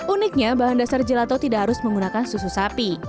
uniknya bahan dasar gelato tidak harus menggunakan susu sapi